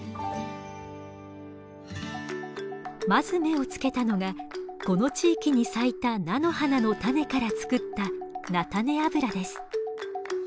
まず目をつけたのがこの地域に咲いた菜の花の種から作った菜種油です。